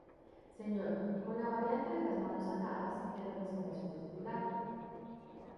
Señor, con la variante de las manos atadas, en representación del titular.